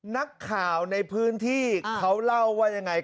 นักข่าวในพื้นที่เขาเล่าว่ายังไง